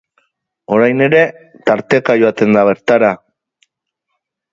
Orain ere, tarteka joaten da bertara.